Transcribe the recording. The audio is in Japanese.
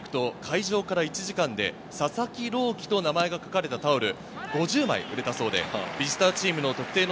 開場から１時間で「佐々木朗希」と名前が書かれたタオル５０枚売れたそうです。